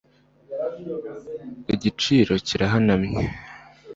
igiciro kirahanamye